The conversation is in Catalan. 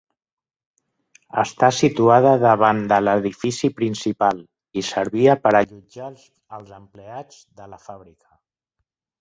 Està situada davant de l'edifici principal i servia per allotjar als empleats de la fàbrica.